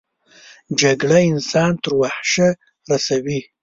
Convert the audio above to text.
جګړه انسان تر وحشه رسوي